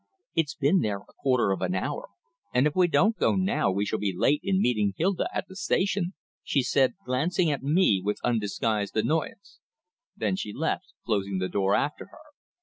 "It's been there a quarter of an hour, and if we don't go now we shall be late in meeting Hylda at the station," she said, glancing at me with undisguised annoyance. Then she left, closing the door after her.